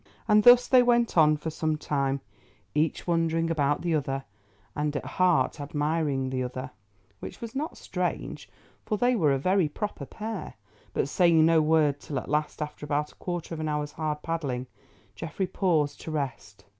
And thus they went on for some time, each wondering about the other and at heart admiring the other, which was not strange, for they were a very proper pair, but saying no word till at last, after about a quarter of an hour's hard paddling, Geoffrey paused to rest.